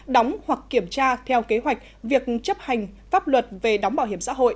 đóng hoặc kiểm tra theo kế hoạch việc chấp hành pháp luật về đóng bảo hiểm xã hội